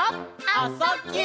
「あ・そ・ぎゅ」